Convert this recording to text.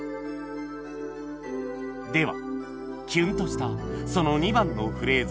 ではキュンとしたその２番のフレーズ